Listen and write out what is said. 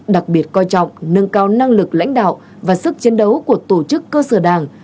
đặc biệt coi trọng nâng cao năng lực lãnh đạo và sức chiến đấu của tổ chức cơ sở đảng